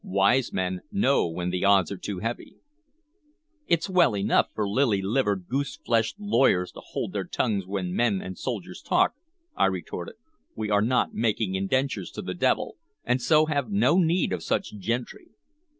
Wise men know when the odds are too heavy!" "It's well enough for lily livered, goose fleshed lawyers to hold their tongues when men and soldiers talk," I retorted. "We are not making indentures to the devil, and so have no need of such gentry."